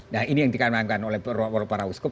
nah ini yang dikarenakan oleh para uskop